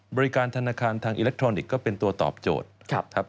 บริการธนาคารทางอิเล็กทรอนิกส์ก็เป็นตัวตอบโจทย์